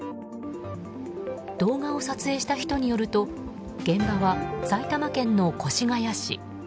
動画を撮影した人によると現場は埼玉県の越谷市。